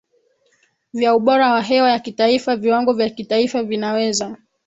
vya ubora wa hewa ya kitaifa Viwango vya kitaifa vinaweza